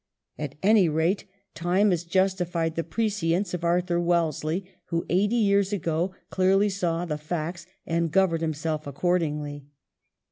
At any rate time has justified the prescience of Arthur Wellesley, who eighty years ago clearly saw the facts and governed himself accordingly.